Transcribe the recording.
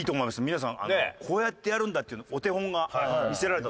皆さんこうやってやるんだっていうのお手本が見せられた。